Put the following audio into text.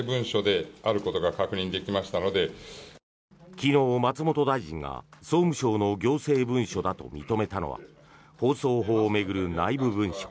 昨日、松本大臣が総務省の行政文書だと認めたのは放送法を巡る内部文書。